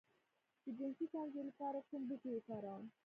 د جنسي کمزوری لپاره کوم بوټی وکاروم؟